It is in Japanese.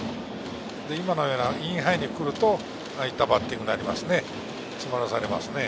今のようなインハイに来ると、ああいったバッティングになりますね。